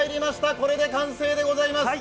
これで完成でございます。